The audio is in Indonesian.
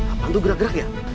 kapan tuh gerak gerak ya